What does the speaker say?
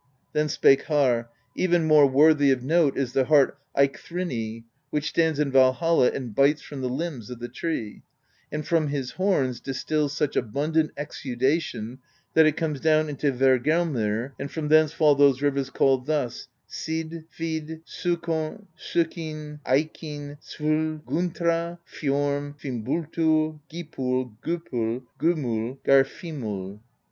Then spake Harr: "Even more worthy of note is the hart Eikthyrni, which stands in Valhall and bites from the limbs of the tree; and from his horns distils such abundant exu dation that it comes down into Hvergelmir, and from thence fall those rivers called thus : Sid, Vid, S0kin, Eikin, Svol, Gunnthra, Fjorm, Fimbulthul, Gipul, Gopul, Gomul, Geirvimul.